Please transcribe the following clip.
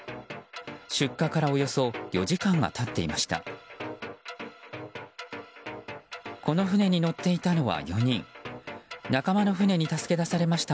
出火からおよそ４時間が経っていました。